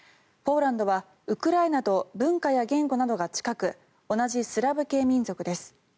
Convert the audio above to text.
ポーランドはウクライナと文化や言語などが近く同じスラブ系民族です。